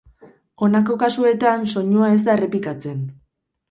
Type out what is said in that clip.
Honako kasuetan soinua ez da errepikatzen.